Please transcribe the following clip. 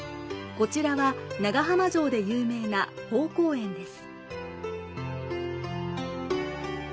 こちらは長浜城で有名な豊公園です。